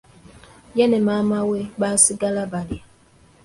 Ye ne maama we baasigala balya.